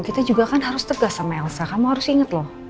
kita juga kan harus tegas sama elsa kamu harus ingat loh